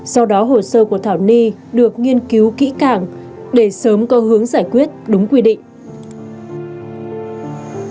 sau đó hồ sơ của thảo ni được nghiên cứu kỹ càng để sớm có hướng giải quyết đúng quy định